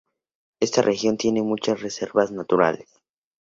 Esta región tiene muchas reservas naturales.